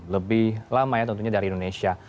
lebih lama ya tentunya dari indonesia